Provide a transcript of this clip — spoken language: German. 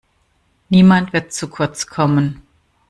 Niemand wird zu kurz kommen.